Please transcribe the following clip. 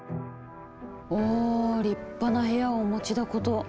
お立派な部屋をお持ちだこと。